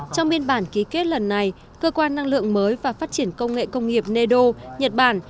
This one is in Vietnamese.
trong biên bản ký kết lần này cơ quan năng lượng mới và phát triển công nghệ công nghiệp neo nhật bản